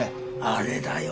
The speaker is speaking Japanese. あれだよ。